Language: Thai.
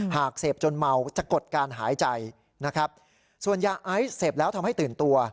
หากเสพจนเมาจะกดการหายใจนะครับส่วนยาไอซ์เสพแล้วทำให้ตื่นตัว